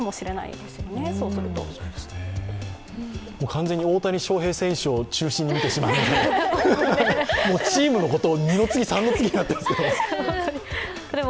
完全に大谷翔平選手を中心に見てしまうのでチームのことは二の次、三の次になっていますけれども。